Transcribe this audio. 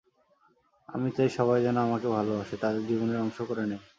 আমি চাই সবাই যেন আমাকে ভালোবাসে, তাদের জীবনের অংশ করে নেয়।